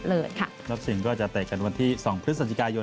รอบถือชนะเลยค่ะรอบถือว่าจะแตกกันวันที่๒พฤษละกายน